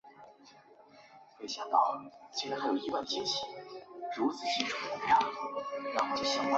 马汉三生于一个富裕农家。